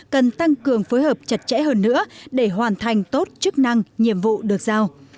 cần tăng cường phối hợp chặt chẽ hơn nữa để hoàn thành tốt chức năng nhiệm vụ được giao